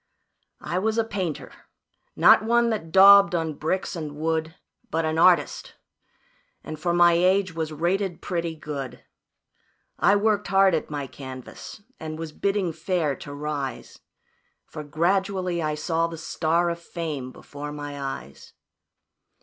"I was a painter not one that daubed on bricks and wood, But an artist, and for my age, was rated pretty good. I worked hard at my canvas, and was bidding fair to rise, For gradually I saw the star of fame before my eyes.